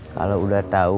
kalau udah tau